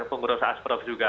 pengurus asprof juga